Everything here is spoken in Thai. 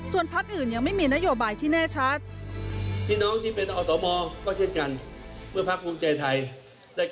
ส่วนพักอื่นยังไม่มีนโยบายที่แน่ชัด